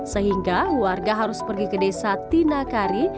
sehingga warga harus pergi ke desa tinakari